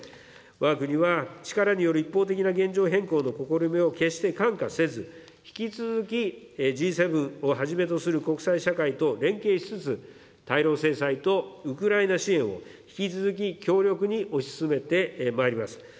わが国は力による一方的な現状変更の試みを決して看過せず、引き続きＧ７をはじめとする国際社会と連携しつつ、対ロ制裁とウクライナ支援を、引き続き強力に推し進めてまいります。